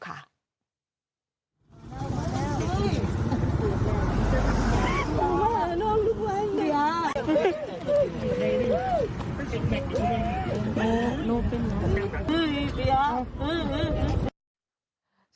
สุขมากลูกม่าย